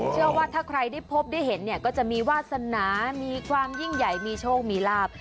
เชื่อว่าถ้าใครได้พบได้เห็นเนี่ยก็จะมีวาสนามีความยิ่งใหญ่มีโชคมีลาบ